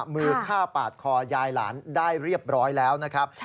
มือฆ่าปาดคอยายหลานได้เรียบร้อยแล้วนะครับ